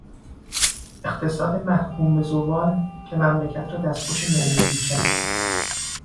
اقتصاد محکوم به زوال، که ملت را دستخوش نومیدی کرد